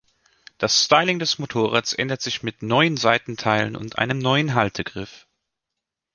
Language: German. Das Styling des Motorrads änderte sich mit neuen Seitenteilen und einem neuen Haltegriff.